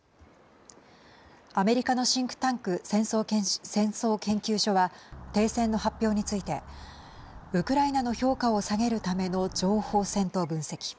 アメリカのシンクタンク戦争研究所は停戦の発表についてウクライナの評価を下げるための情報戦と分析。